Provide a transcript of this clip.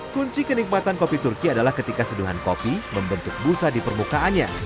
kunci kenikmatan kopi turki adalah ketika seduhan kopi membentuk busa di permukaannya